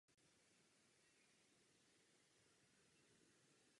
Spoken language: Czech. Odkazy na význam materiálů a tvarů jsou udržovány v abstraktní rovině.